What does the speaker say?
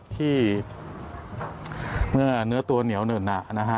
ที่เมื่อเนื้อตัวเหนียวหนึ่งหนัก